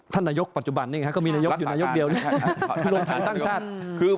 ท่านนายกปัจจุบันนี่ไงครับก็มีนายกอยู่นายกเดียวรวมชาติตั้งชาติ